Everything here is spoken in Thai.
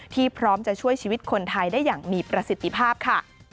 พร้อมจะช่วยชีวิตคนไทยได้อย่างมีประสิทธิภาพค่ะ